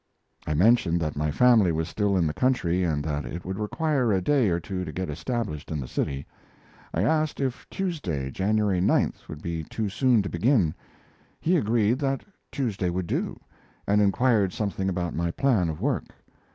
I mentioned that my family was still in the country, and that it would require a day or two to get established in the city. I asked if Tuesday, January 9th, would be too soon to begin. He agreed that Tuesday would do, and inquired something about my plan of work.